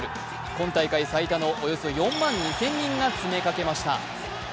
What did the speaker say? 今大会最多のおよそ４万２０００人が詰めかけました。